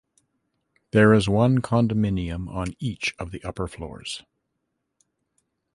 There is one condominium on each of the upper floors.